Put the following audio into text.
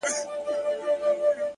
• چي ترانې مي ورته ویلې ,